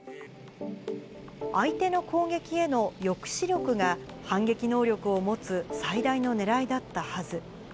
相手の攻撃への抑止力が、反撃能力を持つ最大のねらいだったはず。